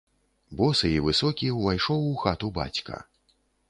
Босы і высокі ўвайшоў у хату бацька.